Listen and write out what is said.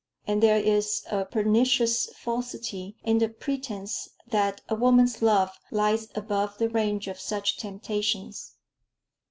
And there is a pernicious falsity in the pretence that a woman's love lies above the range of such temptations.